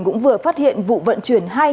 cũng vừa phát hiện vụ vận chuyển